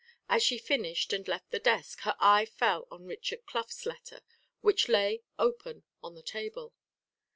As she finished and left the desk, her eye fell on Richard Clough's letter, which lay, open, on the table.